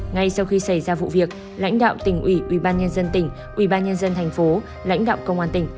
ngay sau khi xảy ra vụ việc lãnh đạo tỉnh ủy ubnd tỉnh ubnd tp lãnh đạo công an tỉnh